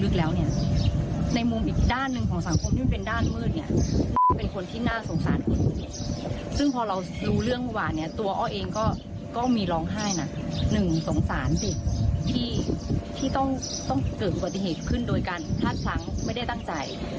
เกิดปฏิเหตุขึ้นโดยการทักทั้งไม่ได้ตั้งใจ